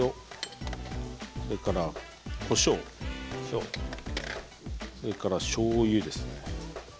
それから、こしょうそれから、しょうゆですね。